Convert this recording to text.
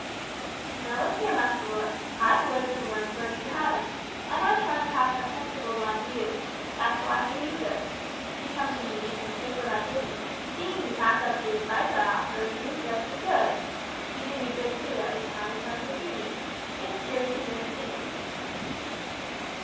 "Now look here, Master Roy. I've lived and learned where you haven't, and I try and pass my principles on to you. That's how I do you good. You come to me and take what I give you and seeing you act out the advice I offers you does me good. You do me good too, every time you comes to see me; it's cheery to hear and see you."